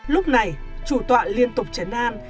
lúc này chủ tọa liên tục chấn an